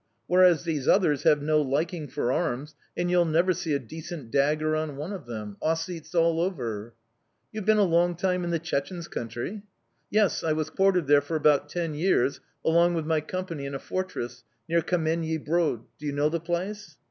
Whereas these others have no liking for arms, and you'll never see a decent dagger on one of them! Ossetes all over!" "You have been a long time in the Chechenes' country?" "Yes, I was quartered there for about ten years along with my company in a fortress, near Kamennyi Brod. Do you know the place?"